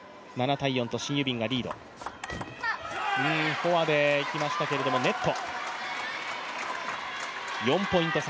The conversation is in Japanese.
フォアで来ましたけれどもネット。